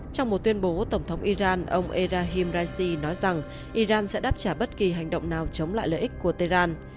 trong một tuyên bố tổng thống iran ông erahim raisi nói rằng iran sẽ đáp trả bất kỳ hành động nào chống lại lợi ích của tehran